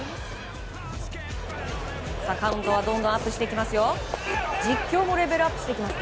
カウントはどんどんアップしていきます。